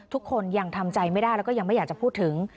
ทุกคนยังทำใจไม่ได้แล้วก็ยังไม่อยากจะพูดถึง